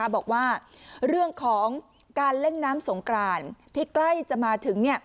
บอกว่าเรื่องของการเล่นน้ำสงกรานที่ใกล้จะมาถึง